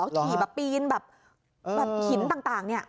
ขี่ปีนแบบหินต่างนี่